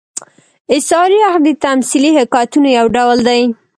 استعاري اړخ د تمثيلي حکایتونو یو ډول دئ.